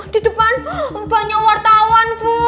di depan banyak wartawan bu